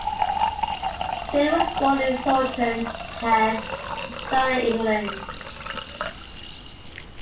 Finn was born in Thornton Heath, Surrey, England.